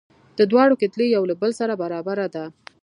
د دواړو کتلې یو له بل سره برابره ده.